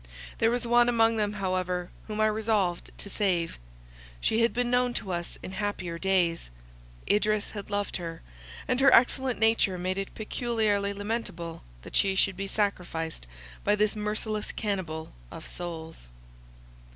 There was one among them however whom I resolved to save; she had been known to us in happier days; Idris had loved her; and her excellent nature made it peculiarly lamentable that she should be sacrificed by this merciless cannibal of souls.